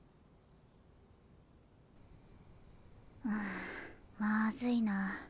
うんまずいな。